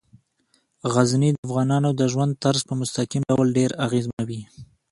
غزني د افغانانو د ژوند طرز په مستقیم ډول ډیر اغېزمنوي.